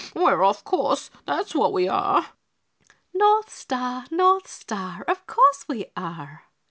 We're off our course, that's what we are!" "North Star? North Star, of course we are!"